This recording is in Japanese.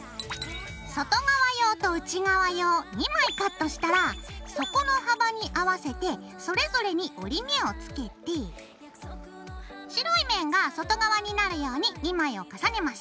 外側用と内側用２枚カットしたら底の幅に合わせてそれぞれに折り目をつけて白い面が外側になるように２枚を重ねます。